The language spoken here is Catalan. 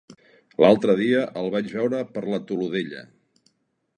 L'altre dia el vaig veure per la Todolella.